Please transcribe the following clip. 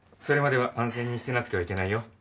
それまでは安静にしてなくてはいけないよ。